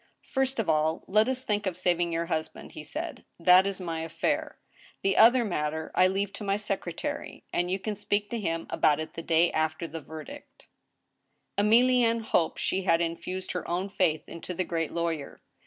" First of all, let us think of saving your husband," he said ;" that is my affair. The other matter I leave to my secretary, and you can speak to him about it the day after the verdict." 1 84 THE STEEL HAMMER. Emllienne hoped she had infused her own faith into the great lawyer.